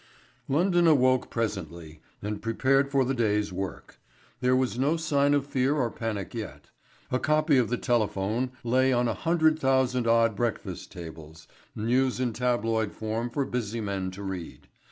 London awoke presently and prepared for the day's work. There was no sign of fear or panic yet. A copy of the Telephone lay on a hundred thousand odd breakfast tables, news in tabloid form for busy men to read.